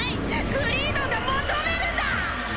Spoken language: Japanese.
グリードンが求めるんだ！